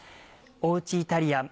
おうちイタリアン